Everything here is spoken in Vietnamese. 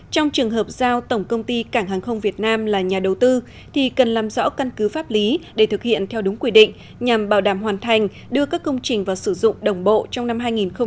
trong trường hợp giao tổng công ty cảng hàng không việt nam là nhà đầu tư thì cần làm rõ căn cứ pháp lý để thực hiện theo đúng quy định nhằm bảo đảm hoàn thành đưa các công trình vào sử dụng đồng bộ trong năm hai nghìn hai mươi